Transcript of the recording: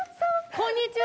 こんにちは。